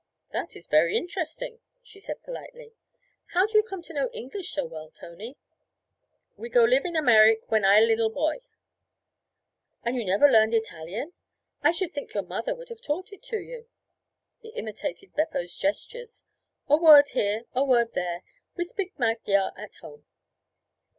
'That is very interesting,' she said politely. 'How do you come to know English so well, Tony?' 'We go live in Amerik' when I li'l boy.' 'And you never learned Italian? I should think your mother would have taught it to you.' He imitated Beppo's gestures. 'A word here, a word there. We spik Magyar at home.'